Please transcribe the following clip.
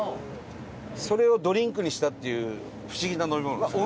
それをドリンクにしたっていう不思議な飲み物です。